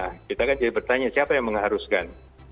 nah kita kan jadi bertanya siapa yang mengharuskan